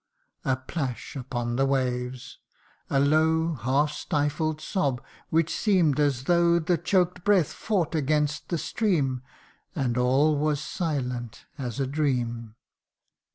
" A plash upon the waves a low Half stifled sob, which seem'd as though The choked breath fought against the stream And all was silent as a dream.